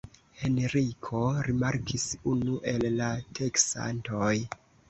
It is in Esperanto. Henriko rimarkis unu el la teksantoj.